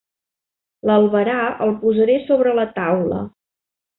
L'albarà el posaré sobre la taula.